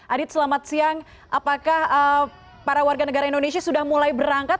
adit selamat siang apakah para warga negara indonesia sudah mulai berangkat